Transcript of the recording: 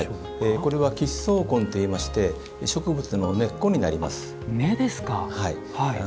これは吉草根といい植物の根っこになります。